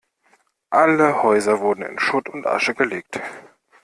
Alle Häuser wurden in Schutt und Asche gelegt.